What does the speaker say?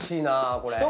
これ。